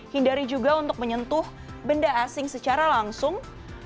hindari juga untuk menyentuh benda asing secara langsung